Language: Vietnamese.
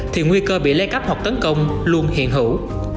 thì nguy cơ bị lấy cắp hoặc tấn công luôn hiện hữu